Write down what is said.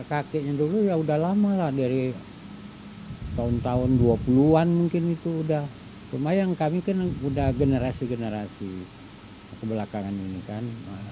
pak kakeknya dulu ya sudah lama lah dari tahun tahun dua puluh an mungkin itu sudah cuma yang kami kan sudah generasi generasi kebelakangan ini kan